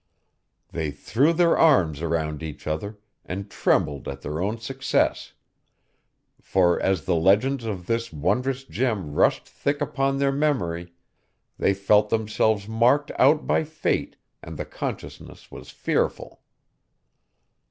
They threw their arms around each other, and trembled at their own success; for, as the legends of this wondrous gem rushed thick upon their memory, they felt themselves marked out by fate and the consciousness was fearful.